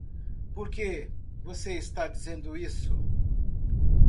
Por que você está dizendo isso?